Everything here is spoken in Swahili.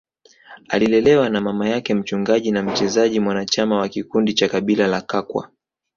Alilelewa na mama yake mchungaji na mchezaji mwanachama wa kikundi cha kabila la Kakwa